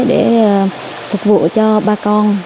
để phục vụ cho bà con